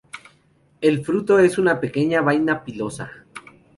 El fruto es una pequeña vaina pilosa.